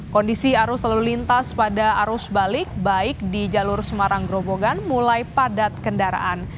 kondisi arus lalu lintas pada arus balik di jalur semarang grobogan mulai padat kendaraan